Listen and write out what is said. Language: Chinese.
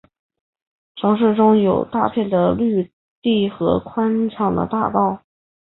城市中有大片的绿地和宽阔的大道。